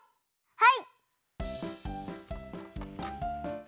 はい。